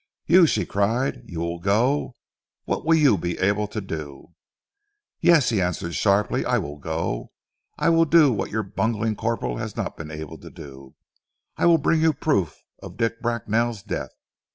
"You!" she cried, "you will go? What will you be able to do?" "Yes," he answered sharply. "I will go. I will do what your bungling corporal has not been able to do. I will bring you proof of Dick Bracknell's death.